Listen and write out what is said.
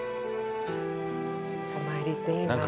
お参りっていいな。